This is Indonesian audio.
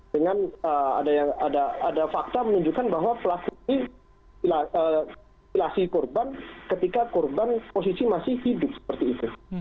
dengan ada fakta menunjukkan bahwa pelaku ini silasi korban ketika korban posisi masih hidup seperti itu